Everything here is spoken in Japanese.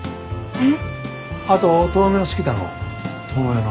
えっ？